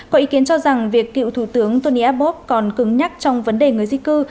có ý kiến cho rằng việc cựu thủ tướng tony abov còn cứng nhắc trong vấn đề người di cư